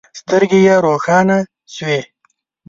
سترګې يې روښانه شوې.